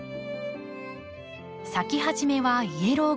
咲き始めはイエローグリーン。